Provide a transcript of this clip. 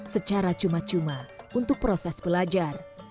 secara cuma cuma untuk proses belajar